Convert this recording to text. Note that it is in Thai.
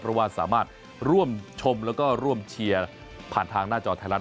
เพราะว่าสามารถร่วมชมแล้วก็ร่วมเชียร์ผ่านทางหน้าจอไทยรัฐ